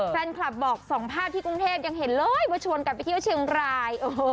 แฟนคลับบอกสองภาพที่กรุงเทพยังเห็นเลยว่าชวนกันไปเที่ยวเชียงราย